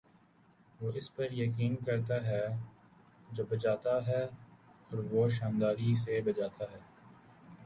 وہ اس پر یقین کرتا ہے جو بجاتا ہے اور وہ شانداری سے بجاتا ہے